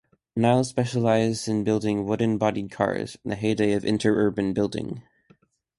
Niles specialized in building wooden-bodied cars in the heyday of interurban building.